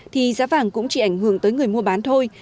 thì giá vàng cũng chỉ ảnh hưởng tới người mua bán thôi